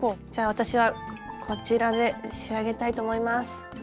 私はこちらで仕上げたいと思います。